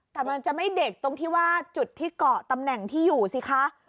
แต่มันจะไม่เด็กตรงที่ว่าจุดที่เกาะตำแหน่งที่อยู่สิคะ